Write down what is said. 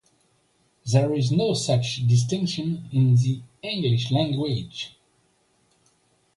There is no such distinction in the English language.